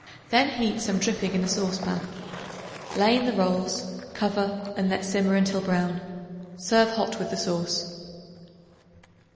Then heat some dripping in a saucepan; lay in the rolls; cover and let simmer until brown. Serve hot with the sauce.